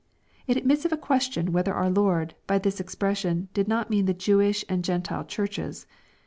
] It admits of a question whether our Lord, by this expression, did not mean the Jewish and Gentile Churches.